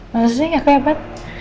maksudnya gak kelebat